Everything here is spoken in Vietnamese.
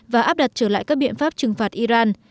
và áp đặt trở lại các biện pháp trừng phạt iran